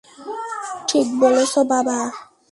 ঠিক বলেছ, বাবা।